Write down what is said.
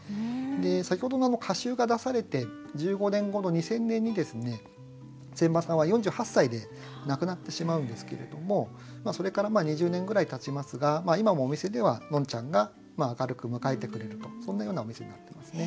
先ほどの歌集が出されて１５年後の２０００年にですね仙波さんは４８歳で亡くなってしまうんですけれどもそれから２０年ぐらいたちますが今もお店ではのんちゃんが明るく迎えてくれるとそんなようなお店になってますね。